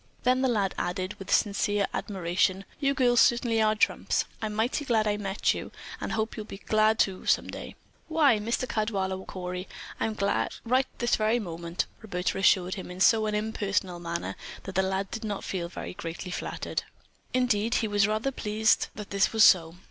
Then the lad added with sincere admiration: "You girls certainly are trumps! I'm mighty glad I met you, and I hope you'll be glad, too, some day." "Why, Mr. Caldwaller Cory, I'm glad right this very moment," Roberta assured him in so impersonal a manner that the lad did not feel greatly flattered. Indeed, he was rather pleased that this was so.